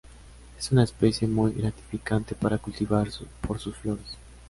Es una especie muy gratificante para cultivar por sus flores.